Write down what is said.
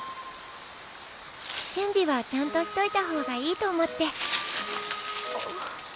準備はちゃんとしといた方がいいと思って。